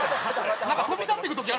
なんか飛び立っていく時あるんですよ